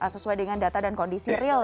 sesuai dengan data dan kondisi real